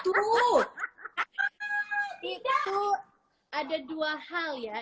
itu ada dua hal ya